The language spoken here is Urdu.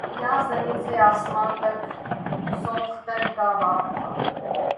یاں زمیں سے آسماں تک سوختن کا باب تھا